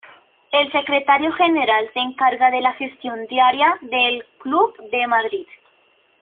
El Secretario General se encarga de la gestión diaria del Club de Madrid.